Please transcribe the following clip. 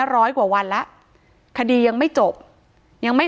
ถ้าใครอยากรู้ว่าลุงพลมีโปรแกรมทำอะไรที่ไหนยังไง